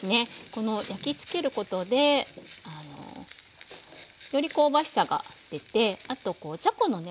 この焼きつけることでより香ばしさが出てあとじゃこのね